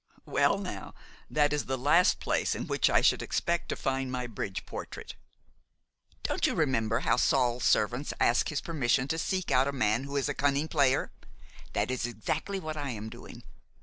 "Well, now, that is the last place in which I should expect to find my bridge portrait." "Don't you remember how Saul's servants asked his permission to 'seek out a man who is a cunning player'? That is exactly what I am doing.